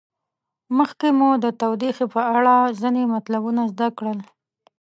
مخکې مو د تودوخې په اړه ځینې مطلبونه زده کړل.